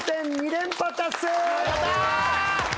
やった！